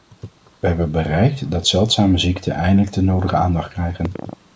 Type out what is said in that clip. We hebben bereikt dat zeldzame ziekten eindelijk de nodige aandacht krijgen.